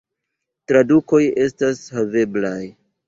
Tradukoj estas haveblaj.